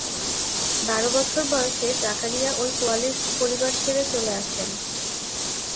বার বছর বয়সে জাকারিয়া ঐ কোয়ালিস্ট পরিবার ছেড়ে চলে আসেন।